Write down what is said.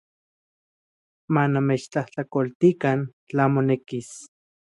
Manechtlajtlakoltikan tlan monekis.